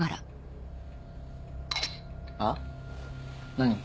何？